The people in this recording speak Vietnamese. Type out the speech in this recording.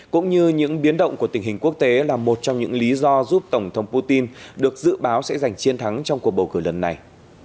cũng như những biến động của tình hình quốc tế là một trong những lý do giúp tổng thống putin được dự báo sẽ giành chiến thắng trong cuộc bầu cử lần này